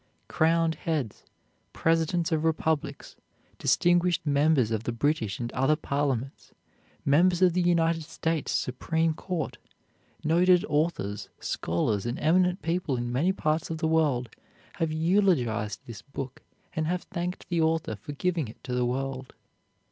Crowned heads, presidents of republics, distinguished members of the British and other parliaments, members of the United States Supreme Court, noted authors, scholars, and eminent people in many parts of the world, have eulogized this book and have thanked the author for giving it to the world.